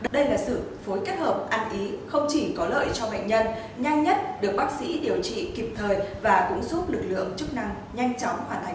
đây là sự phối kết hợp ăn ý không chỉ có lợi cho bệnh nhân nhanh nhất được bác sĩ điều trị kịp thời và cũng giúp lực lượng chức năng nhanh chóng hoàn thành